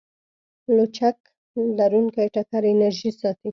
لچک لرونکی ټکر انرژي ساتي.